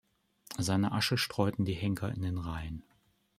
Seine Asche streuten die Henker in den Rhein.